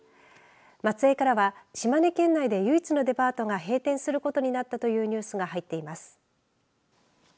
松江からは島根県内で唯一のデパートが閉店することになったというニュースが入っています。